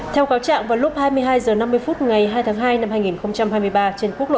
theo cáo trạng vào lúc hai mươi hai h năm mươi phút ngày hai tháng hai năm hai nghìn hai mươi ba trên quốc lộ